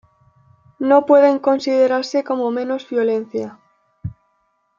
no pueden considerarse como menos violencia